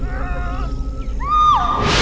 อ้าว